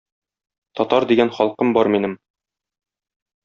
Татар дигән халкым бар минем.